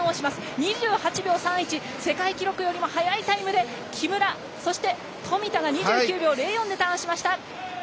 ２８秒３１世界記録よりも速いタイムで木村、そして富田が２９秒０４でターンしました。